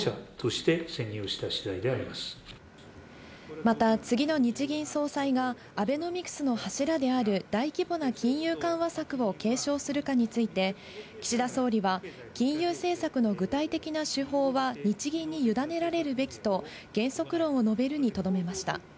また、次の日銀総裁がアベノミクスの柱である大規模な金融緩和策を継承するかについて、岸田総理は金融政策の具体的な手法は、日銀にゆだねられるべきと原則論を述べるにとどめました。